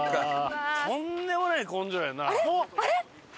とんでもない根性やんな。